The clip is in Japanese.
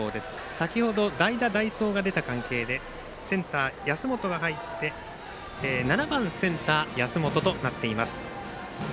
先ほど、代打、代走が入った関係でセンター、安本が入って７番センター安本となっています。